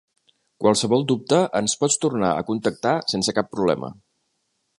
Qualsevol dubte ens pots tornar a contactar sense cap problema.